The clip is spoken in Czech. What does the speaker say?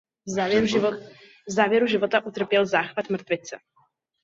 V závěru života utrpěl záchvat mrtvice.